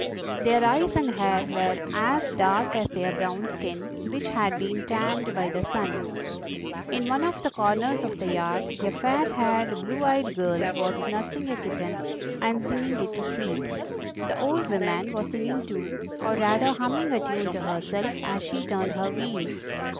Their eyes and hair were as dark as their brown skin, which had been tanned by the sun. In one of the corners of the yard a fair haired, blue eyed girl was nursing a kitten and singing it to sleep. The old woman was singing too, or rather humming a tune to herself as she turned her wheel.